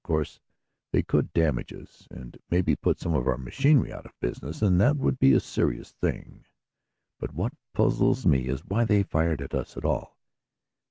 Of course they could damage us, and maybe put some of our machinery out of business, and that would be a serious thing. But what puzzles me is why they fired at us at all."